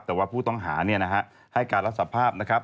แต่ว่าผู้ต้องหาให้การรับสภาพนะครับ